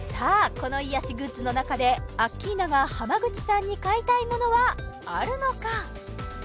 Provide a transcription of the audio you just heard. この癒しグッズの中でアッキーナが濱口さんに買いたいものはあるのか？